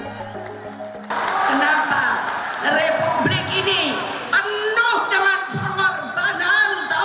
kenapa republik ini penuh dengan pengorbanan tau tidak